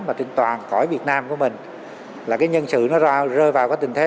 mà trên toàn khỏi việt nam của mình là cái nhân sự nó rơi vào cái tình thế